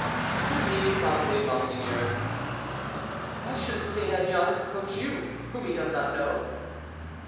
"To me, probably, monseigneur." "Why should St. Aignan reproach you, whom he does not know?"